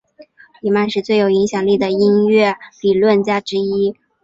里曼是最有影响力的音乐理论家之一。